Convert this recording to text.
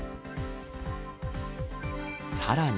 さらに。